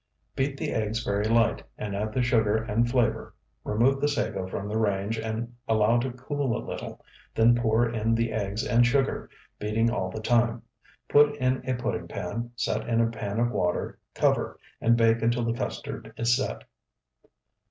Beat the eggs very light, and add the sugar and flavor. Remove the sago from the range, and allow to cool a little, then pour in the eggs and sugar, beating all the time. Put in a pudding pan, set in a pan of water, cover, and bake until the custard is set.